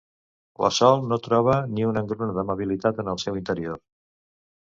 La Sol no troba ni una engruna d'amabilitat en el seu interior.